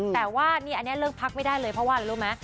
แต่ว่านี่อันเนี้ยเรื่องพักไม่ได้เลยเพราะว่ารู้มั้ย